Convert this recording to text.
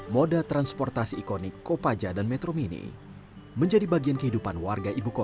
moda transportasi ikonik kopaja dan metro mini menjadi bagian kehidupan warga ibu kota